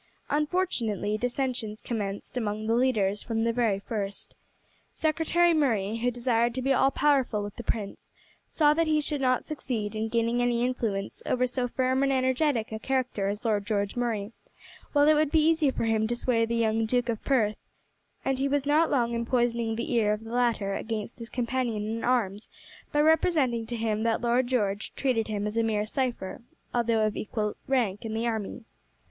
Unfortunately dissensions commenced among the leaders from the very first. Secretary Murray, who desired to be all powerful with the prince, saw that he should not succeed in gaining any influence over so firm and energetic a character as Lord George Murray, while it would be easy for him to sway the young Duke of Perth, and he was not long in poisoning the ear of the latter against his companion in arms by representing to him that Lord George treated him as a mere cipher, although of equal rank in the army.